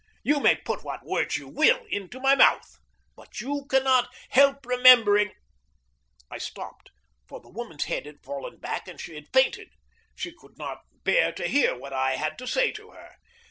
You may put what words you will into my mouth, but you cannot help remembering " I stopped, for the woman's head had fallen back, and she had fainted. She could not bear to hear what I had to say to her!